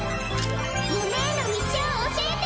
夢への道を教えて！